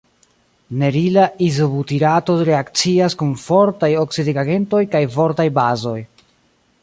Nerila izobutirato reakcias kun fortaj oksidigagentoj kaj fortaj bazoj.